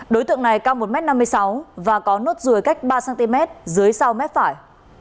đối tượng này cao một m năm mươi sáu và có nốt ruồi cách ba cm dưới sau mép phải